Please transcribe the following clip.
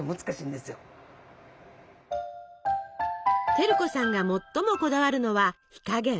照子さんが最もこだわるのは火加減。